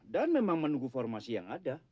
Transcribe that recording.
dan memang menunggu formasi yang ada